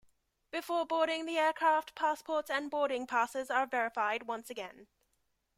Before boarding the aircraft, passports and boarding passes are verified once again.